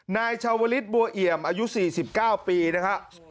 นายชาวลิศบัวเอี่ยมอายุ๔๙ปีนะครับ